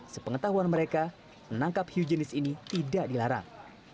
sepengetahuan mereka menangkap hiu jenis ini tidak dilarang